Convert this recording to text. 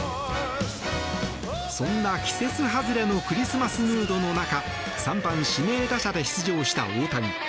そんな季節外れのクリスマスムードの中３番指名打者で出場した大谷。